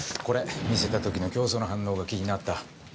これ見せた時の教祖の反応が気になった。